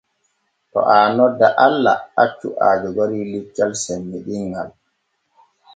To aa nodda Allah accu aa jogori liccal semmiɗinŋal.